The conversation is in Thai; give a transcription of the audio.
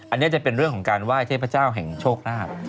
อันนี้จะเป็นเรื่องของการไหว้เทพเจ้าแห่งโชคลาภ